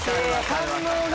反応が。